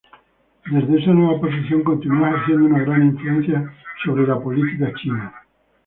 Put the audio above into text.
Desde esa nueva posición continuó ejerciendo una gran influencia sobre la política china.